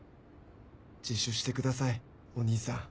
自首してくださいお兄さん。